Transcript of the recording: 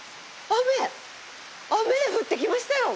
雨降ってきましたよ。